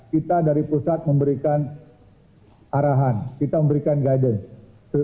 kita dari pusat memberikan arahan kita memberikan guidance